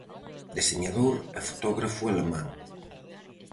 Deseñador e fotógrafo alemán.